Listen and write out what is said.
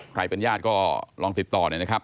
ใครเป็นญาติก็ลองติดต่อหน่อยนะครับ